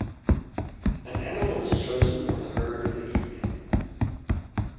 An animal is chosen from the herd in the evening.